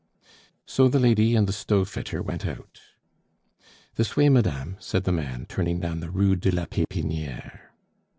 So the lady and the stove fitter went out. "This way, madame," said the man, turning down the Rue de la Pepiniere.